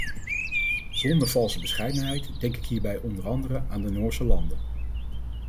Zonder valse bescheidenheid denk ik hierbij onder andere aan de noordse landen.